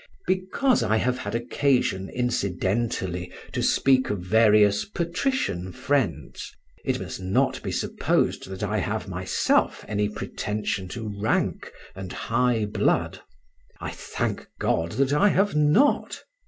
Because I have had occasion incidentally to speak of various patrician friends, it must not be supposed that I have myself any pretension to rank and high blood. I thank God that I have not.